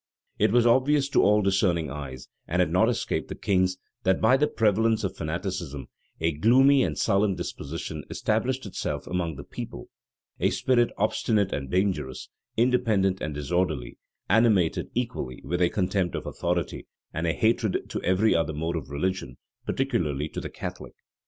It was obvious to all discerning eyes, and had not escaped the king's, that, by the prevalence of fanaticism, a gloomy and sullen disposition established itself among the people; a spirit obstinate and dangerous; independent and disorderly; animated equally with a contempt of authority, and a hatred to every other mode of religion, particularly to the Catholic.